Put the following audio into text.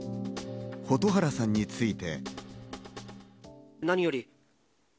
蛍原さんについて。